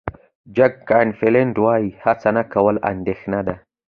جک کانفیلډ وایي هڅه نه کول اندېښنه ده.